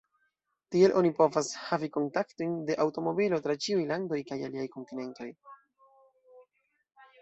Tiel oni povas havi kontaktojn de aŭtomobilo tra ĉiuj landoj kaj aliaj kontinentoj.